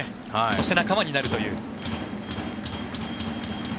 そして仲間になるという。